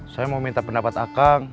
saya mau minta pendapat akang